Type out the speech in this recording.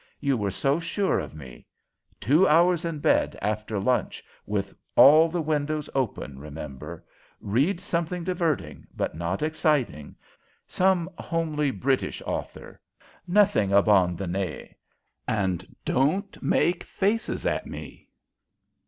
You were so sure of me! Two hours in bed after lunch, with all the windows open, remember. Read something diverting, but not exciting; some homely British author; nothing abandonné. And don't make faces at me.